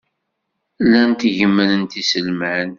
Llant gemmrent iselman.